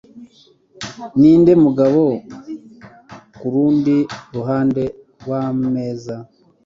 Ninde mugabo kurundi ruhande rwameza?